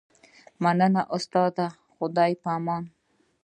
مننه استاده د خدای په امان